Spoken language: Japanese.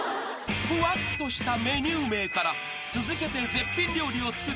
［ふわっとしたメニュー名から続けて絶品料理を作ってみせた笠原シェフ］